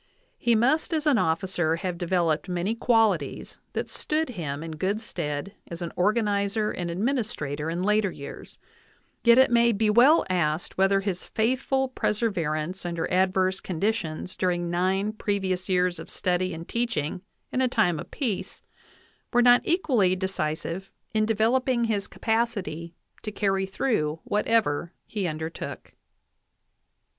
He must as an officer have developed many qualities that stood him in good stead as an organizer and administrator in later years; yet it may be well asked whether his faithful perseverance under adverse conditions during nine previous years of study and teaching in a time of peace were not equally decisive in 14 JOHN WESLEY POWELL DAVIS developing his capacity to carry through whatever he under took.